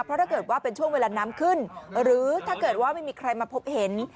เพราะถ้าเกิดว่าเป็นช่วงเวลาน้ำขึ้นหรือถ้าเกิดว่าไม่มีใครมาพบเห็น